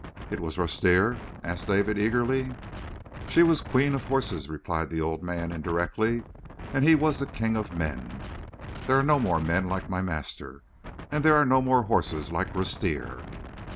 "It was Rustir?" asked David eagerly. "She was the queen of horses," replied the old man indirectly, "and he was the king of men; there are no more men like my master, and there are no more horses like Rustir."